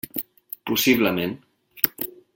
Possiblement.